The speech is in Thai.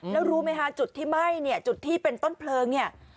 แล้วรู้ไหมคะจุดที่ไหม้จุดที่เป็นต้นเพลิง